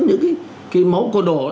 những cái máu có đỏ